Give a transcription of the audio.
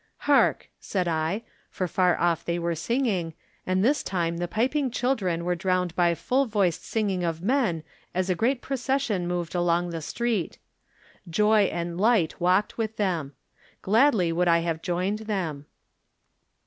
"Hark," said I, for far oflf they were sing ing, and this time the piping children were drowned by full voiced singing of men as a great procession moved along the street. Joy and light walked with them. Gladly would I have joined them.